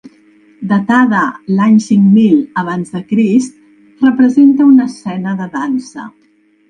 Datada l’any cinc mil aC, representa una escena de dansa.